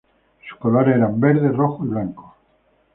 Sus colores eran verde, rojo y blanco.